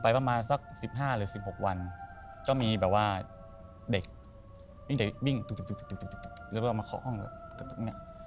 แล้วก็เอามาเคาะห้องแบบนี้